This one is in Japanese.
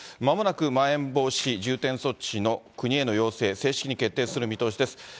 まもなく、まん延防止重点措置の国への要請、正式に決定する見通しです。